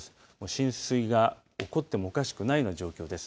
浸水が起こってもおかしくないような状況です。